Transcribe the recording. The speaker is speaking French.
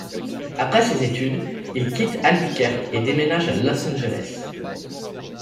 Après ses études, il quitte Albuquerque et déménage à Los Angeles.